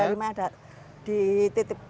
ada lima yang datang